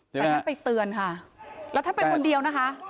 แต่ไม่ได้ไปเตือนค่ะแล้วถ้าเป็นวันเดียวนะคะ